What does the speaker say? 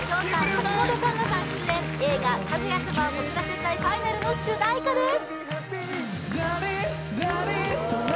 橋本環奈さん出演映画「かぐや様は告らせたいファイナル」の主題歌です